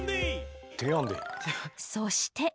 そして。